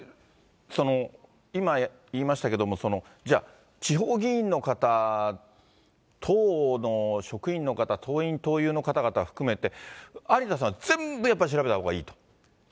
今言いましたけども、じゃあ、地方議員の方、党の職員の方、党員、党友の方々、含めて、有田さん、全部やっぱり調べたほうがいいと？